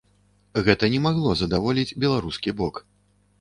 Гэта не магло задаволіць беларускі бок.